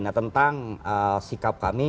nah tentang sikap kami